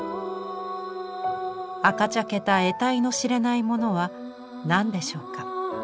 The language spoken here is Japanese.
赤茶けた得体の知れないものは何でしょうか。